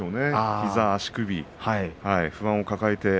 膝、足首、不安を抱えて